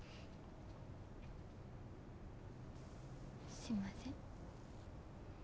すいません。